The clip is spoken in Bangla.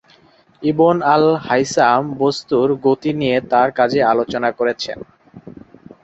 ইবন আল হাইসাম বস্তুর গতি নিয়ে তাঁর কাজে আলোচনা করেছেন।